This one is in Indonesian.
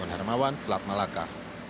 harimawan selat malaka